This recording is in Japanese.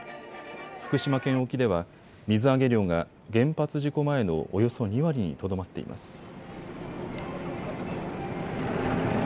福島県沖では水揚げ量が原発事故前のおよそ２割にとどまっています。